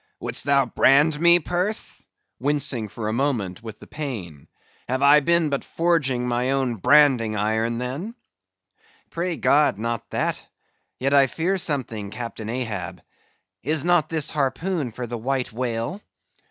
"Would'st thou brand me, Perth?" wincing for a moment with the pain; "have I been but forging my own branding iron, then?" "Pray God, not that; yet I fear something, Captain Ahab. Is not this harpoon for the White Whale?"